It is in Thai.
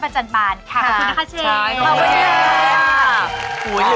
เป็นอย่างไรครับ